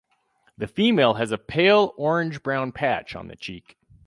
The female has a pale orange-brown patch on the cheek.